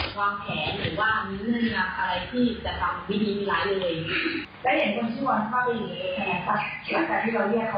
ผมก็เลยไม่ได้เอกใจแล้วก็ไม่ได้มีเสร็จอนาคมที่จะ